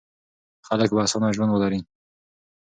خلک به اسانه ژوند ولري.